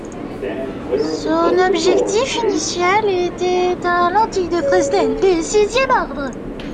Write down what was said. Son objectif initial était un lentille de Fresnel de sixième ordre.